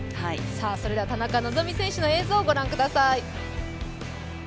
それでは田中希実選手の映像をご覧ください。